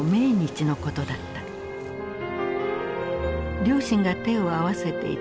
両親が手を合わせていた